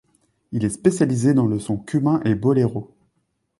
Il est spécialisé dans le son cubain et le boléro.